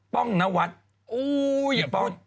ป้องนะวัสโอ้ยอย่าพูด